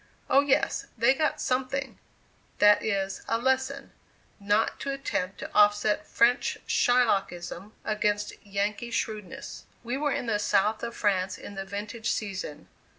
Oh, yes! they got something, that is, a lesson, not to attempt to offset French Shylockism against Yankee shrewdness. We were in the South of France in the vintage season.